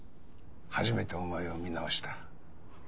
初めてお前を見直した。